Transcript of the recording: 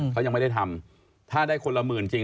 เขายังไม่ได้ทำถ้าได้คนละหมื่นจริง